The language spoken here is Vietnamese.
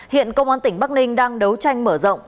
hiện công an tỉnh bắc ninh đang đấu tranh mở rộng